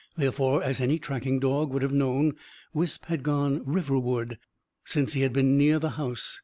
Therefore, as any tracking dog would have known, Wisp had gone riverward, since he had been near the house.